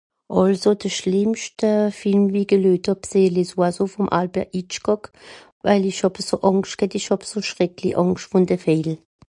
"Àlso de schlìmmscht Film wie i geluejt hàb, s'ìsch ""les oiseaux"" vùm Alfred Hitchcock. Waje ìch eso Àngscht ghet hàb, ìch hàb so schreckli Àngscht vùn de Vééjel."